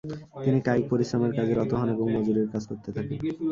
তিনি কায়িক পরিশ্রমের কাজে রত হন এবং মজুরের কাজ করতে থাকেন।